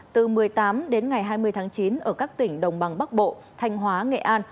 từ một mươi tám đến ngày hai mươi tháng chín ở các tỉnh đồng bằng bắc bộ thanh hóa nghệ an